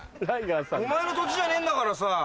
お前の土地じゃねえんだからさ。